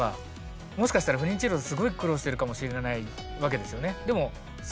もしかしたら不妊治療すごい苦労してるかもしれないわけですよね。